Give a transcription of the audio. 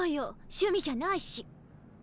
趣味じゃないし。